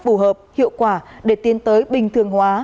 phù hợp hiệu quả để tiến tới bình thường hóa